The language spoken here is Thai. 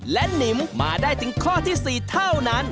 สวัสดีค่ะ